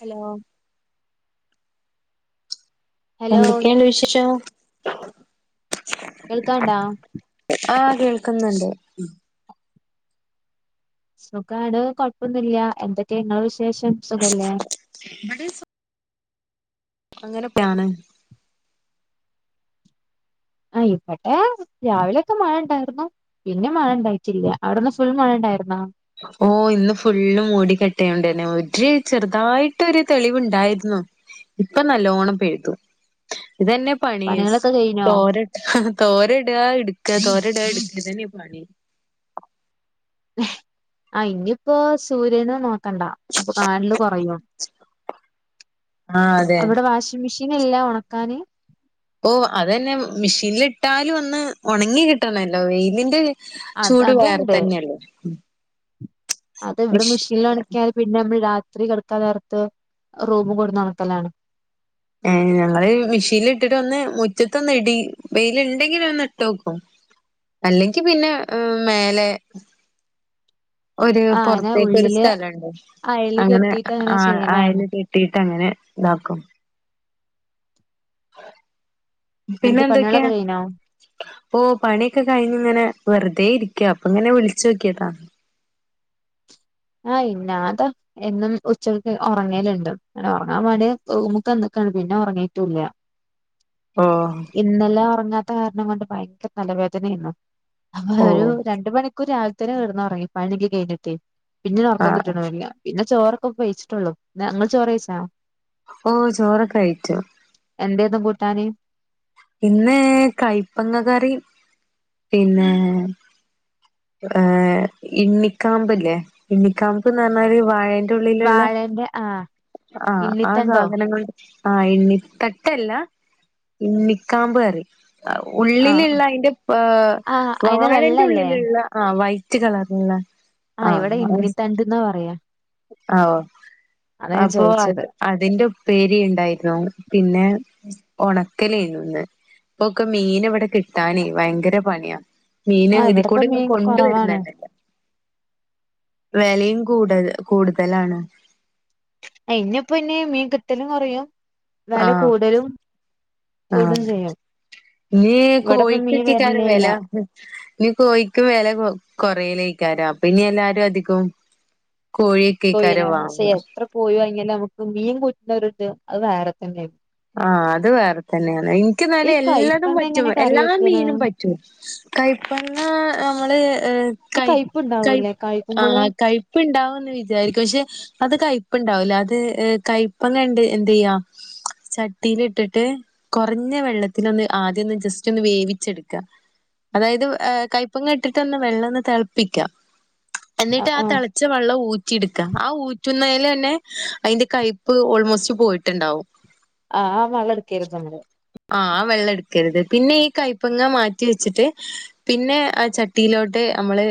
Hello hello എന്തക്കെ ഇണ്ട് വിശേഷം കേൾക്കാണ്ടോ ആ കേൾക്കുന്നുണ്ട് നോക്കാടോ കുഴപ്പം ഒന്നുല്ല്യ എന്തൊക്കെ ഇങ്ങളെ വിശേ ഷം സുഖല്ലേ അങ്ങനെ ഒക്കെ ആണ് ഇവടെ രാവിലെ ഒക്കെ മഴണ്ടായിരുന്നു പിന്നേ മഴ ഇണ്ടായിട്ടില്ല അവിടെ ഇന്ന് ഫുൾ മഴ ഉണ്ടായിരുന്നോ ഓ ഇന്ന് ഫുള്ളും മൂഡികെട്ടേനുണ്ടായിരുന്ന ഒര് ചെറുതായിട്ട് ഒര് തെളിവ് ഉണ്ടായിരുന്നു ഇപ്പം നല്ലോണം പെയ്തു ഇതന്നെ പണിസു പണികളൊക്കെ കഴിഞ്ഞോ തോരാ തോര്നിടാ എഡ് [unintelligible] നിപ്പാണെ ആ ഇനിയിപ്പോ സൂര്യനെ നോ കണ്ടാ അപ്പൊ കാണൽ കുറയും ആഹ് അതെ അവിടെ വാഷിംഗ് മെഷീൻ ഇല്ല ഉണക്കാന് ഓ അത് തന്നെ മെഷീനിൽ ഇട്ടാലും ഒന്ന് ഉണങ്ങി കിട്ടണല്ലോ വെയിലിന്റെ അത് ചൂട് വേറെ അത്ണ്ട് തന്നെയാണ്ണൂളെ അത് ഇവിടെ മെഷീൽ ഓണാക്കിയാൽ പിന്നെ നമ്മൾ രാത്രി കിട തളർത്ത് റൂംകൂടെ നടക്കലാണ് ഞങൾ മെഷീനിൽ ഇട്ടിട്ട് ഒന്ന് മുറ്റത്ത് ഒന്ന് ഇടി വെയിൽ ഉണ്ടെങ്കിൽ ഒന്ന് ഇട്ടു നോക്കും. അല്ലെങ്കി പിന്നെ മേലെ. ഒരു ആഹ് അങ്ങനെ പുറത്തേക്ക് ഒരു ഉള്ളില് സ്ഥലമുണ്ട് അയല് അങ്ങനെ കെട്ടിയിട്ട് അയൽ ചെയ്യലാണ് കെട്ടിയിട്ട് അങ്ങനെ ഉണ്ടാക്കും പിന്നെ എന്നിട്ട് എന്തൊക്കെയാ പണികളൊക്കെ കഴിഞ്ഞോ ഓ പണിയൊക്കെ കഴിഞ്ഞ് ഇങ്ങനെ വെറുതെ ഇരിക്ക അപ്പൊ ഇങ്ങനെ വിളിച്ചു നോക്കിയതാ അ ഇന്നാത്ത എന്നും ഉച്ചയ്ക്ക് ഉറങ്ങലുണ്ട് അങ്ങനെ ഉറങ്ങാൻ വേണ്ടി റൂമ്ക്ക് വന്നക്കാണ് പിന്നെ ഉറങ്ങിയിട്ടില്ല ഓഹ് ഇന്നലെ ഉറങ്ങാൻ താ കാരണം കൊണ്ട് ഭയങ്കര തലവേദനെയ്നൂ ഒരു ഓഹ് രണ്ടുമണിക്കൂർ രാ തേര് കിടന്നുറങ്ങി പണിയൊക്കെ കഴിഞ്ഞിട്ട് പിന്നെ ഒറക്കം ആഹ് കിട്ടുന്നൂ ഇല്ല പിന്ന ചോറ് ഇപ്പോ പെയ്ച്ചിട്ടേ ഉള്ളു ഇങ്ങൾ ചോറ് വെയ്ച്ചോ ഓ ചോറ് കഴിചൂ ട്ടാന് ഇന്ന് കൈപ്പങ്ങ കറിം പിന്നെ ഇണ്ണിക്കാംമ്പ് ഇല്ലേ, ഇണ്ണിക്കാംമ്പ് എന്ന് പറഞ്ഞാൽ ഒരു വാഴ യന്റെ ഉള്ളിലുള്ള വാഴന്റെ ആഹ് ആ ആ ഇണ്ണിത്തണ്ടോ സാധനങ്ങൾ ആ ഇണ്ണി തട്ടെല്ല ഇണ്ണി കാമ്പ് കറി ആഹ് ഉള്ളിലുള്ള അതിന്റെ ആഹ് അയിന്റെ വായെന്റെ വെള്ളല്ലേ ഉള്ളിലുള്ള ആ വൈ റ്റ് കളർ ഉള്ളെ ആഹ് ഇവിടെ അഹ് ഇണ്ണിത്തണ്ട്ന്നാ പറയാ ആ അതാ ഞാൻ അപ്പൊ ചോദിച്ചത് അതിന്റെ ഉപ്പേരി ഇണ്ടായിരുന്നു പിന്നെ ഓണക്കലെനൂ ഇപ്പൊക്കെ മീൻ ഇവടെ കിട്ടാന് ഭയങ്കര പണിയാ ആഹ് മീനും ഇവിടെപ്പ ഇതികൂടെ ഒന്നും മീൻ കുറവാണ് കൊണ്ടുവര്ന്നെന്നെല്ല വെലെം കൂടൽ കൂടുതലാണ് ഇഞ്ഞ്പ്പൊഞ് മീൻ കിട്ടലുംകൊറയും ആഹ് കൂടും ആഹ് ചെയ്യും ഇഞ്ഞ് ഇവിടെപ്പം മീൻ കോഴിക്കെറ്റെക്കാരം വരലില്ല വെല ഇഞ്ഞ് കോഴിക്ക് വെല കൊ കൊറയി ക്കാരം അപ്പോ ഇഞ്ഞ് എല്ലാരും അധി കൊം കോഴ്യന്നാ പക്ഷേ എത്ര കോഴി വാങ്ങിയാലും അമ്മക്ക് മീൻ കൂട്ട്ണൊര്ത് അത് വേറെ തന്നെ [unintelligible] ആഹ് അത് വേറെ തന്നേണ് ഈ ഇന്ക്കിന്നാലെ എല്ലതും കൈപ്പങ്ങ പറ്റും എങ്ങനെ കറി എല്ലാ വെക്കണ് മീനും പറ്റും കയ്പ്പങ്ങാ അമ്മള് ഏ ആ കയ് കൈപ്പ് കയ് ഉണ്ടാവൂലേ ആ കായ്ക്കുമ്പോളും കയ്പ്പ്ണ്ടാവുന്ന് വിചാരിക്കും പക്ഷേ അത് കൈപ്പ്ണ്ടാവുല്ല അത് കൈപ്പങ്ങണ്ട് എന്തെയ്യാ ചട്ടിയിലിട്ടിട്ട് കൊറഞ്ഞെ വെള്ളത്തില് ഒന്ന് ആദ്യന്ന് ജസ്റ്റ് ഒന്ന് വേവിച്ചെടുക്കാം അതായത് ഹ് കൈപ്പങ്ങ ഇട്ടിട്ട് വെള്ളന്ന് തെള്പ്പിക്ക ആ എന്നിട്ട് ആ ആഹ് തെളെച്ച വെള്ളം ഊറ്റിട്ക്കാ ആഹ് ഊ റ്റുന്നേലെന്നെ അയിന്റെ കൈപ്പ് ഓൾ മോസ്റ്റ് പോയിട്ട്ണ്ടാവും ആഹ് അ വള്ട്ക്കര്ത് നമ്മള് ആഹ് ആ വെള്ളട്ക്കരുത് പിന്നെ ഈ കൈപ്പങ്ങ മാറ്റിവെച്ചിട്ട് പിന്നെ ചട്ടിയിലോട്ട് അമ്മള്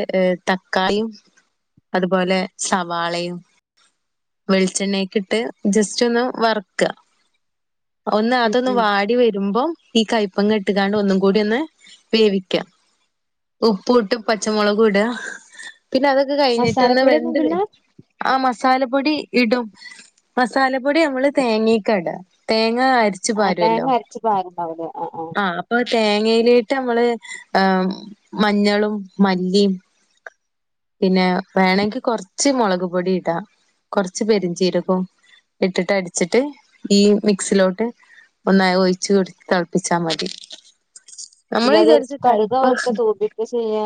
തക്കാളിംഅതുപോലെ സവാളയും വെളിച്ചെണ്ണയൊക്കെ ഇട്ട് ജസ്റ്റൊന്ന് വറ്ക്കാ ഒന്ന് ഉം അതൊന്ന് ഉം വാടി വെരുമ്പം ഈ കൈപ്പങ്ങട്ട്ക്കാണ്ട് ഒന്നുക്കൂടിയെന്ന് വേവിക്കാ ഉപ്പൂട്ട് പച്ചമുളകൂടാ പിന്നെ അതൊക്കെ കഴിഞ്ഞിട്ട് ഒന്ന് മസാലപ്പൊടി ഒന്നും വെന്ത് ഇടില്ല വരും ആ മസാ സാല പൊടി ഇടും മസാലപ്പാെടി നമ്മള് തേ ങ്ങക്കാട തേ ങ്ങ അരിച്ച് ആ പാരെല്ലാേ തേങ്ങ അരച്ച് പാരുണ്ടാവൂലേ ആ അപ്പോ തേങ്ങേ ലേട്ട് നമ്മള് മഞ്ഞളും മല്ലിം പിന്നെ വേണെങ്കി കൊറച്ച് മുളക് പൊടി ഇടാം കൊറച്ച് പെരുജീരകം ഇട്ടിട്ട് അടിച്ചിട്ട് ഈ മിക്സിലോട്ട് ഒന്ന് ഒഴിച്ച് കൊടുത്ത് തെള്പ്പിച്ചാ മതി നമ്മള് പിന്നത് വിചാരിച്ച കടുക് വറുക്കേ കയ്പ്പാ തൂമ്പിക്കേ ചെയ്യേ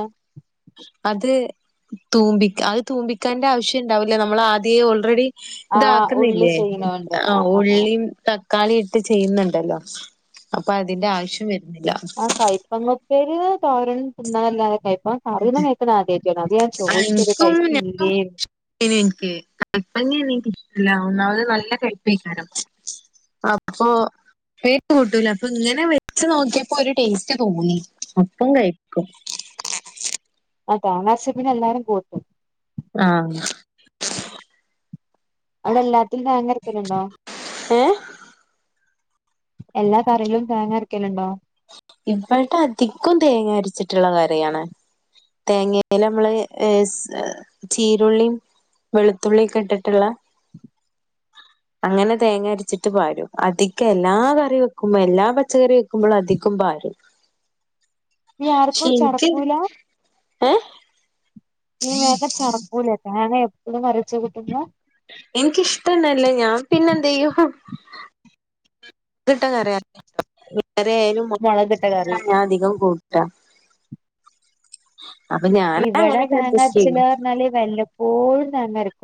തൂമ്പിക്കാ അഅ് തൂമ്പിക്കണ്ട ആവിശ്യണ്ടാവുല നമ്മള് ആദ്യ ഓൾ റെഡി ആ ഉള്ളി താക്കുന്നില്ലേ ചെയ്യണോണ്ട് അ അ ആ ആ ആ ഉള്ളിം ക്കാളി ഇട്ട് ചെയ്യ്ന്ന്ണ്ടല്ലോ അപ്പോ അതിന്റെ ആവിശ്യം വര് അ കൈപ്പങ്ങ ഉപ്പേരി തോരനും തിന്നാല്ലാതെ കൈപ്പ പറീണ കേക്കണം ആദ്യം അ ഇൻക്കും [inaudible] കൈപ്പങ്ങാനീ തീരെ അല്ല ഒന്നാമത് നല്ല കൈപ്പേക്കാരാം അപ്പം ഉപ്പേരി കൂട്ടുല അപ്പം ഇങ്ങനെ വെച്ച് നോക്കിയപ്പം ഒരു ടേസ്റ്റ് തോന്നി അപ്പം കഴിക്കും തേങ്ങ അരച്ചേ പിന്നെല്ലാരും കൂട്ടും ആ അവിടെല്ലാത്തിലും തേങ്ങ അരക്കലുണ്ടോ ഏഹ് എല്ലാ കറീലും തേങ്ങരക്കലുണ്ടോ ഇപ്പഴത്തെ അധികം തേങ്ങ അരച്ചിട്ടുള്ള കറിയാണ് തേങ്ങേല് നമ്മള് എ സ് ചീരുള്ളിം വെളുത്തുള്ളിം ഒക്കെ ഇട്ടിട്ടുള്ള അങ്ങനെ തേങ്ങരച്ചിട്ട് പാരും അധികം എല്ലാ കറി വെക്കുമ്പം എല്ലാ പച്ചക്കറി വെക്കുമ്പളും അധി കം പാരും ടി ആർക്കും ചടക്കൂല എ ഇഞ് വേഗം ചടക്കൂലേ ഞാൻ ഇമ്മ കറി വച്ചാ കൂട്ടൂല ഇൻക്ക് ഇഷ്ടന്നെല്ല ഞൻ പിന്നെ ന്ത്‌ ചെയ്യും കറിയായാലും ഞാൻ മുളകിട്ട കറി മുളകിട്ടതാ അധികം കൂട്ടൽ കൂട്ടാ അപ്പൊ ഞാൻ ഇവിടെ അങ്ങനെയൊക്കെ അഡ്ജസ്റ്റ് തേങ്ങരച്ചത് ചെയ്യും ന്ന്‌ പറഞ്ഞ വല്ലപ്പോഴും തേങ്ങ അരക്കും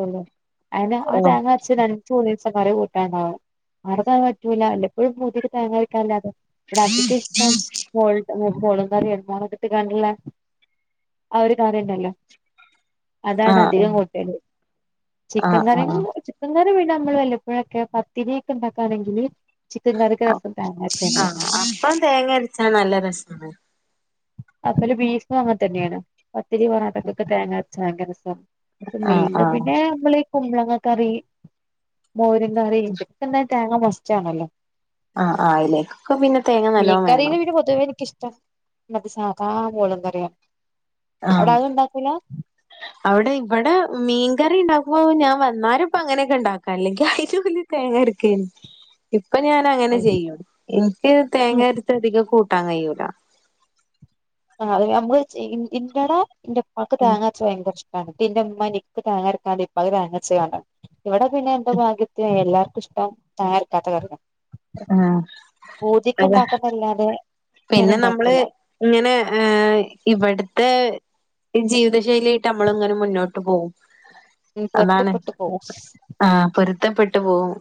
അയിന് ആ ഓഹ് തേങ്ങരച്ചത് രണ്ട് മൂന്ന് ദിവസം ഉണ്ടാകുംഅവിടുന്ന് അത് പറ്റൂല വല്ലപ്പോഴും തേങ്ങ ഇവിടെ അധികം ഇഷ്ട്ടം മോൾഡ്ണതാ [unintelligible] ആ ഒരു കറി ഉണ്ടല്ലോ അതാണ് ആഹ് അധികം കൂട്ടൽ ചിക്കൻ ആഹ് കറിം ആഹ് ചിക്കൻ ക റി പിന്നെ നമ്മള് വല്ലപ്പൊഴൊക്കെ പത്തിരി ഉണ്ടാക്കാണെങ്കില് ചിക്കൻ കറിക്ക് രസം തേങ്ങ അരച്ച ആ തന്നെയാണ് അപ്പം തേങ്ങയര്ച്ചാ നല്ല രസാണ് അത് പോലെ ബീഫും അങ്ങൻ തന്ന്യണ് പത്തിരി പൊറാട്ട ക്കൊക്കെ തേങ്ങ അരച്ച ഭയങ്കര രസാ ആഹ് [unintelligible] ആഹ് പിന്നെ ഞമ്മളീ കുമ്പളങ്ങ കറി മോരും കറി [unintelligible] തേങ്ങ മസ്റ്റ് ആണല്ലോ ആ ആ അയിലേക്കൊക്കെ പിന്നെ തേങ്ങ നല്ലോം വേണം ഇന്നത് സാദാ മോരും കറ്യാ ആ അവിടെ ഇവിടെ മീൻ കറി ഉണ്ടാക്കുമ്പം ഞാൻ വന്നാരെ ഇപ്പൊ അങ്ങനെക്കെ ഉണ്ടാക്ക അല്ലെങ്കി അയിലും ഓല് തേങ്ങ അര്ക്കേനി ഇപ്പൊ ഞാൻ അങ്ങനെ ചെയ്യും ഇൻക്ക് തേങ്ങ അരച്ചധികം കൂ ട്ടാൻ കയ്യൂല അത് നമ്മൾ ചെയ്യും ഇൻ്റട ഇന്റപ്പാക്ക് ഉം തേങ്ങ അരച്ചത് ഭയങ്കര ഇഷ് ട്ടാണ് ട്ടി ഇന്റെ ഇമ്മ നിക്ക് തേങ്ങ അരക്കാതിം ഉപ്പാക്ക് തേങ്ങ അരച്ച്ക്കാണ്ടാ ഇവിടെ പിന്നെ എന്റെ ഭാഗ്യത്തിനെ എല്ലാർക്കും ഇഷ്ടം തേങ്ങ അരക്കാത്ത കറ്യാ ഏ അതാ ഇണ്ടാക്കുന്നല്ലാതെ ഇങ്ങനെ പിന്നെ നമ്മൾ ഇണ്ടാക്കൂല ഇങ്ങനെ എ ഇവിടത്തെ ജീവിതശൈലി ആയിട്ട് നമ്മൾ ഇങ്ങനെ മുന്നോട്ട് പോവും ഉം അതാണ് പൊരുത്തപ്പെട്ടു പോവും ആ പൊരുത്തപ്പെ ട്ട് പോവും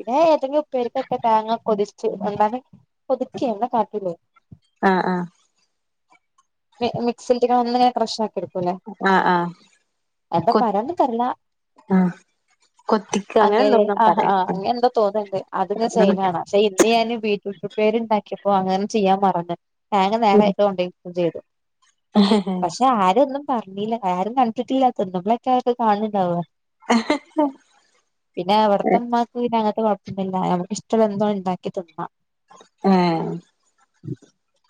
ഇടെ ഏതെങ്കിലും ഉപ്പേരിക്കൊക്കെ തേങ്ങ കൊതി ച്ച് ഒന്നാണ്ട് പൊതിക്ക്യെ [unintelligible] ആഹ് ആഹ് മി മിക്സിട്ട്ക്ക് ഒന്ന്ങ്ങനെ ക്രഷ് ആക്കിടും പിന്നെ ആഹ് ആഹ് എന്താ കൊ പറയാന്നിൻക്കറില്ല ആഹ് കൊത്തിക്ക അങ്ങനെ എന്തോന്നാ ആ പറയാ ആഹ് അങ്ങനെ എന്തോ തോന്നണ്ട് അത്ങ്ങനെ ഉം ചെയ്യ്ണ കാണാ പക്ഷെ ഇന്ന് ഞാന് വീട്ട്റൂട്ട് ഉപ്പേരിണ്ടാക്കിയപ്പോ അങ്ങനെ ചെയ്യാൻ മറന്ന് തേങ്ങ നേരെ അയ്ല്കൊണ്ടേയി ടും ചെയ്തു പക്ഷെ ആരൊന്നും പർന്നീല്ല ആരും കണ്ടിട്ടില്ലാതൊന്നും തിന്നുമ്പെക്കാരം അത് കാണ് ണ് ണ്ടാവാ പിന്നെ ഉം അവിടത്തുമ്മാക്ക് പിന്നെ അങ്ങനത്തെ കൊഴ ഇല്ലല്ലാ എനക്ക് ഇഷ്ടമുള്ള എന്തോ ഉണ്ടാക്കി തിന്നാം. ആ [unintelligible]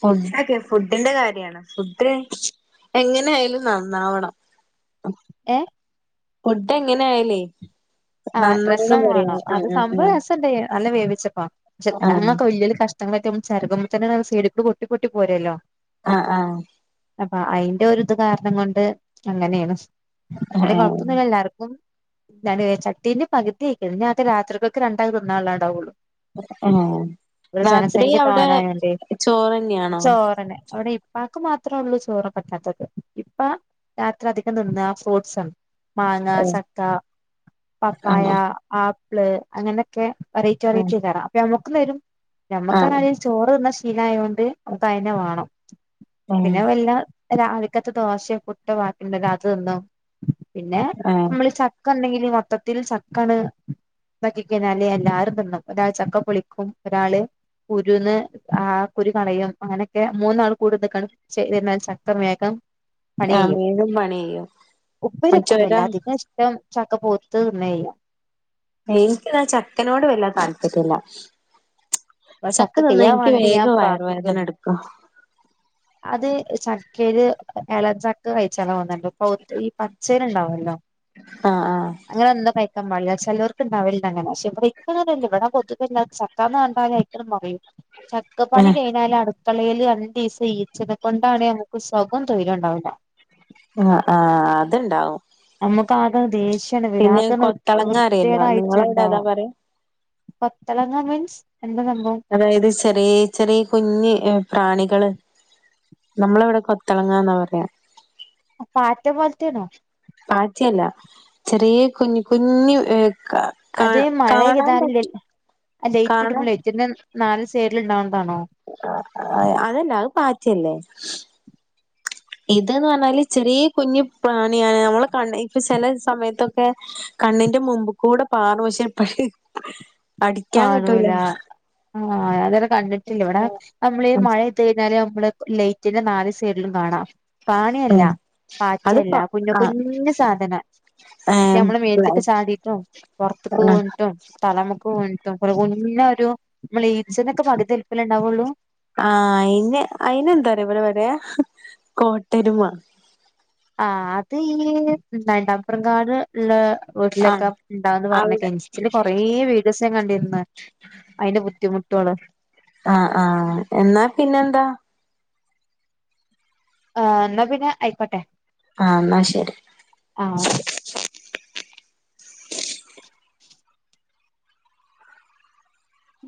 ഫുഡോക്കെ ഫുഡിന്റെ കാര്യാണ് ഫുഡ് എങ്ങനെ ആയാലും നന്നാവണം ഏ ഫുഡ് എങ്ങനെ ആയല്ലേ ആ രസം വേണം അത് സംഭവം രസല്ലേ നല്ല വേവി ചെപ്പാ ചെ ആഹ് ഞങ്ങളൊക്കെ വലിയൊരു കഷ് തന്ന് ചെരുപ്പ് പൊട്ടി പൊട്ടി പോരല്ലോ ആ ആ അപ്പൊ അയിന്റെ ഒരു ഇത് കാരണം കൊണ്ട് അങ്ങനെയാണ് ആഹ് ആഹ് അവിടെ കൊഴപ്പൊന്നില്ലല്ലോ ആഹ് എല്ലാർക്കും നടുവേ ച ഇതിന്റെ പകുതിയായ്ക്കാണ് രാത്രിക്കൊക്കെ രണ്ടാൾക് തിന്നാനുളളാണ്ടാവുള്ളൂ ആ രാത്രി അവിടെ തോനായോണ്ടേ ചോറ്ന്നെയാണോ പ്പാക്ക് മാത്രേ ഉള്ളൂ ചോറ് പറ്റാത്തത് ഇപ്പ രാത്രി അധികം തിന്നാ ഫ്രൂട്ടസ് ആണ് മാങ്ങാ ഓഹ് സക്കാ ആണോ പപ്പായാ ആ ആപ്പിള് അങ്ങനൊക്കെ അറയിച്ച അറി ആഹ് തിന്നണം അപ്പയാവും വരും ആഹ് നമ്മക്കാണെധികം ചോറ് തിന്നാ ശീലയോണ്ട് ഇപ്പം അയന്നെ വേണം ആഹ് പിന്നെ വല്ല രാവിലക്കത്തെ ദോശ പുട്ടോ ബാക്കിയുണ്ടെങ്കിൽ അത് തിന്നോ പിന്നെ ആഹ് മ്മൾ ചക്ക ഉണ്ടെങ്കിൽ ഇതിൽ ചക്കാണ് ണ്ടാക്കികഴിഞ്ഞാൽ എല്ലാരും തിന്നുംഒരാൾ ചക്കപൊളിക്കും ഒരാൾ കുരുന്ന് ആ കുരു കളയും അങ്ങനൊക്കെ മൂന്നാൾ കൂടി നിക്കാണേ ചേയ്തെന്നാൽ ചക്ക വേഗം പണി ചെയ്യും ആവേഗം പണിചെയ്യും ചക്കപോ ത് നെയ്യാം എനിക്ക് എന്നാൽ ചക്കേനോട് വലിയ താല്പര്യം ഇല്ല ഇവിടെ ചക്ക തിന്നാൻ വേണ്ടി ഞാൻ വയറുവേദന പ്രാർത്ഥിക്കുകയാണ്. എടുക്കും അത് ചക്കയില് ഇളംചക്ക കഴിച്ചാൽ ഇളവുന്നുണ്ട് ഉള്ള പച്ചയിൽ ഉണ്ടാവൂല്ലോ ആഹ് ആഹ് അങ്ങനെ എന്തോ പറ്റി മഴയായ്ച്ചാൽ ചിലോർക്ക് ഉണ്ടാകില്ല അങ്ങനെ ഇവിടെ ഇപ്പറയുന്നോലല്ല ഇപ്പള് കൊതുകുന്ന് ചക്കാന്ന് പറഞ്ഞാൽ മറിയും ചക്കപ്പണി ആഹ് കഴിയുന്നവരെ അടു അല്ലേലും രണ്ടീസായി ഈ ഈച്ചനെ കൊണ്ടാണ് ഞങ്ങൾക്ക് സ തൊരൊലുണ്ടാവില് ആഹ് ആഹ് അത്ണ്ടാവും നമുക്ക് ആകെ ദേഷ്യം പിന്നെ കൊത്തളങ്ങഅറിയില്ലേ നിങ്ങളുടെ അവിടെ എന്താ പറയാ കൊത്തളങ്ങ മീൻസ് എന്താ സംഭവം അതായത്ചെറിയ ചെറിയ കുഞ്ഞു പ്രാണികള് നമ്മൾ ഇവിടെ കുത്തളങ്ങാന്ന പറയുക. പാറ്റ പോലത്തേണോ പാറ്റ അല്ലചെറിയ കുഞ്ഞു കുഞ്ഞു അതേ മഴ പെയ്താലും ലൈറ്റ് ഇടുമ്പോഴും ഇതിന്റെ--നാലുവശത്തും സൈഡിൽ ഉണ്ടാവും അ ആഅതല്ല അത് പാറ്റ യല്ലേ ഇതെന്ന് പറഞ്ഞാൽ ചെറിയ കുഞ്ഞ് പ്രാണിയ ഞമ്മള് ചില സമയത്ത് ഒക്കെ കണ്ണിന്റെ മുമ്പിക്കൂടപാറും പക്ഷേ അടിക്കാൻ കിട്ടൂല ആ ആ അന്നേരം കണ്ടിട്ടില്ല ഇവിടെ നമ്മള് ഈ മഴ പെയ്യുന്ന നേരം ഇവിടെ ലൈറ്റിന്റെ നാല് സൈഡിലും കാണാം. പ്രാണി അല്ല പാറ്റ അത് അല്ല പ ആ കുഞ്ഞുകുഞ്ഞ് സാധനം. ഏ നമ്മുടെ മേത്തേക്ക് ചാടിയപ്പം പുറത്തേക്കു ആ വീണിട്ടും തലയണയ്ക്ക് വീണിട്ടും [unintelligible] നമ്മളീച്ചേനെ പലതിരിപ്പിൽ ണ്ടാ വൊള്ളു ആഹ് അയിന് അയിന എന്താറ ഇവിടെ പറയാ കോട്ടെരുമ ആ അത് ഈ നണ്ടാപറ കാട് ഉള്ള ആഹ് വീട്ടിലൊക്കെ ഇണ്ടാവുന്ന് അവിടെ പർണ്ക്ക ഇൻസ്റ്റെലൊക്കെ കൊറെ വീഡിയോസ് ഞാൻ കണ്ടിര്ന്ന് അയിന്റെ ബുദ്ധിമു ട്ടു ഓൾ അയ് ആ ആ എന്നാ പിന്നെന്താ ആഹ് എന്നാ പിന്നെ ആയിക്കോട്ടെ ആ ഇന്നാ ശരി ആഹ് ഓക്കെ ഉം